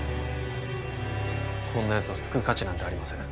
こんなやつを救う価値なんてありません